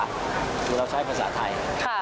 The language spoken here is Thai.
อย่างไงเราใช้ภาษาไทย